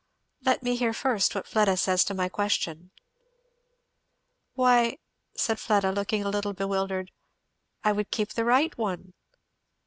"Let me hear first what Fleda says to my question." "Why," said Fleda, looking a little bewildered, "I would keep the right one."